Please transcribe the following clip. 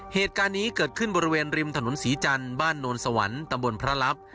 เหตุการณ์นี้เกิดขึ้นบริเวณริมถนนศรีจันทร์บ้านโนนสวรรค์ตำบลพระลับ